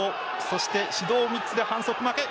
そして指導３つで反則負け。